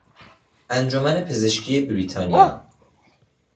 انجمن پزشکی بریتانیا